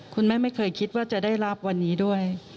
คุณแม่ไม่เคยคิดว่าจะได้รับวันนี้ด้วย